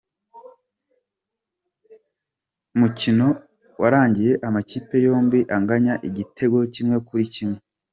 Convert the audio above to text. Umukino warangiye amakipe yombi anganya igitego kimwe kuri kimwe.